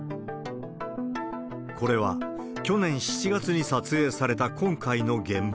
これは、去年７月に撮影された今回の現場。